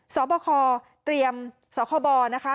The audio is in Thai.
สอบคตรียมสอบคบนะคะ